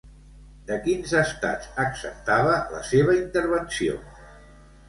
De quins estats acceptava la seva intervenció?